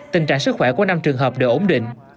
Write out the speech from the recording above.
tình trạng sức khỏe của năm trường hợp đều ổn định